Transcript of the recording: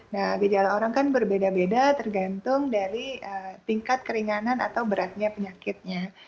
nah gejala orang kan berbeda beda tergantung dari tingkat keringanan atau beratnya penyakitnya